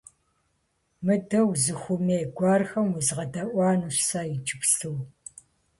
Мыдэ, узыхуэмей гуэрхэм уезгъэдэӏуэнущ сэ иджыпсту.